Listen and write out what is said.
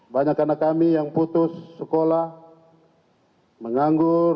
banyak anak kami yang putus sekolah menganggur